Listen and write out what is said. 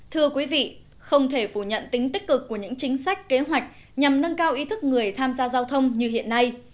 thưa quý vị không thể phủ nhận tính tích cực của những chính sách kế hoạch nhằm nâng cao ý thức người tham gia giao thông như hiện nay